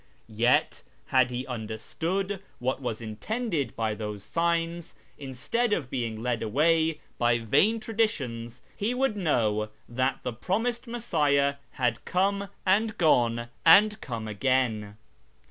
Yet, had he understood what was intended by those signs, instead of being led away by vain traditions, he would know that the promised Messiah had come and gone and come again.